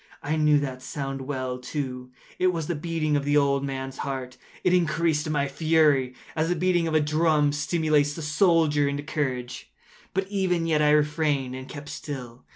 I knew that sound well, too. It was the beating of the old man’s heart. It increased my fury, as the beating of a drum stimulates the soldier into courage. But even yet I refrained and kept still.